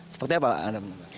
seperti apa anda menurut anda